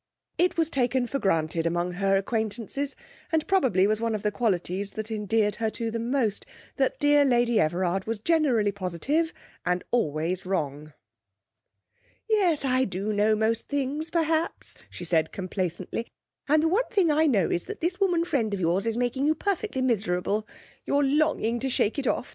It was taken for granted among her acquaintances, and probably was one of the qualities that endeared her to them most, that dear Lady Everard was generally positive and always wrong. 'Yes, I do know most things, perhaps,' she said complacently. 'And one thing I know is that this woman friend of yours is making you perfectly miserable. You're longing to shake it off.